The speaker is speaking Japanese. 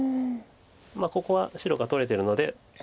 ここは白が取れてるので。